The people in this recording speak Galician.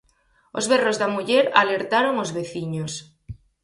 Os berros da muller alertaron os veciños.